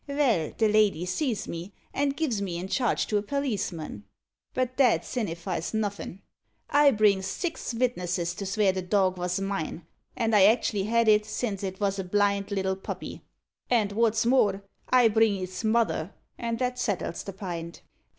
Vell, the lady sees me, an' gives me in charge to a perliceman. But that si'nifies nuffin'. I brings six vitnesses to svear the dog vos mine, and I actually had it since it vos a blind little puppy; and, wot's more, I brings its mother, and that settles the pint.